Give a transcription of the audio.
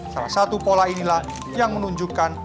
salah satu pola inilah yang menunjukkan